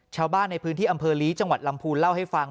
ชาวบ้านในพื้นที่อำเภอลีจังหวัดลำพูนเล่าให้ฟัง